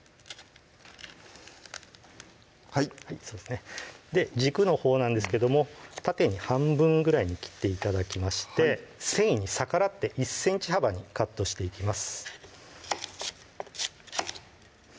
はい軸のほうなんですけども縦に半分ぐらいに切って頂きまして繊維に逆らって１ｃｍ幅にカットしていきます